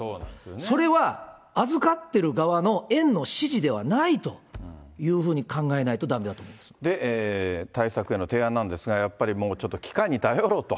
それは預かってる側の園の指示ではないというふうに考えないとだで、対策への提案なんですが、やっぱりもうちょっと機械に頼ろうと。